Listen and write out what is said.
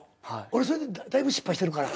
俺それでだいぶ失敗してるから。